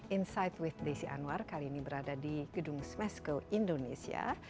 insight with desi anwar kali ini berada di gedung smesko indonesia